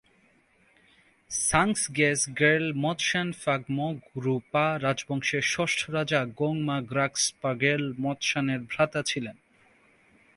সাংস-র্গ্যাস-র্গ্যাল-ম্ত্শান ফাগ-মো-গ্রু-পা রাজবংশের ষষ্ঠ রাজা গোং-মা-গ্রাগ্স-পা-র্গ্যাল-ম্ত্শানের ভ্রাতা ছিলেন।